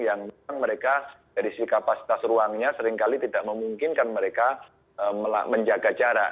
yang memang mereka dari segi kapasitas ruangnya seringkali tidak memungkinkan mereka menjaga jarak